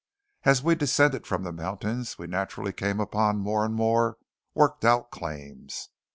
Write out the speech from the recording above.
As we descended from the mountains we naturally came upon more and more worked out claims.